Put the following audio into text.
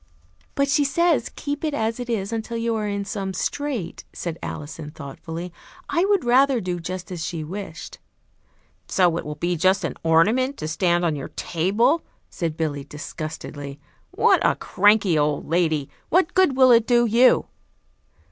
"But she says, 'Keep it as it is until you are in some strait,'" said Alison thoughtfully. "I would rather do just as she wished." "So it will be just an ornament to stand on your table," said Billy disgustedly. "What a cranky old lady! What good will it do you?"